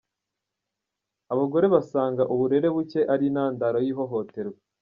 Abagore basanga uburere buke ari intandaro y’ihohoterwa